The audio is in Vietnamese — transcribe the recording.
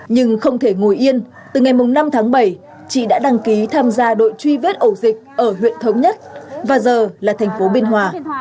nhưng không thể ngồi yên từ ngày năm tháng bảy chị đã đăng ký tham gia đội truy vết ẩu dịch ở huyện thống nhất và giờ là thành phố biên hòa